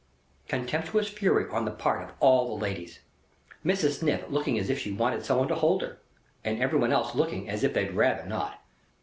Contemptuous fury on the part of all the ladies. Mrs. Sniff looking as if she wanted somebody to hold her, and everybody else looking as if they'd rayther not.